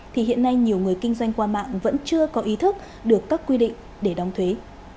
thì hiện nay nhiều người kinh doanh qua mạng vẫn chưa có ý thức được các quy định để đóng thuế